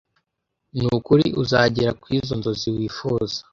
nukuri uzagera kwizo nzozi wifuza